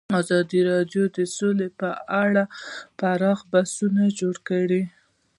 ازادي راډیو د سوله په اړه پراخ بحثونه جوړ کړي.